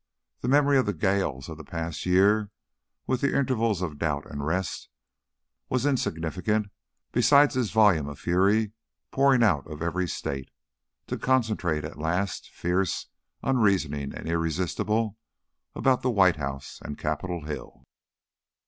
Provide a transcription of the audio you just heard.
The memory of the gales of the past year, with the intervals of doubt and rest, was insignificant beside this volume of fury pouring out of every State, to concentrate at last, fierce, unreasoning, and irresistible, about the White House and Capitol Hill.